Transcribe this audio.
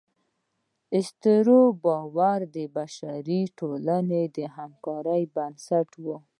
د اسطورو باور د بشري ټولنې د همکارۍ بنسټ و.